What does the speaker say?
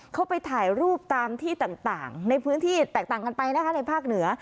เขาไปถ่ายรูปตามที่ต่างในพื้นที่แตกต่างกันไปนะคะในภาคเหนือ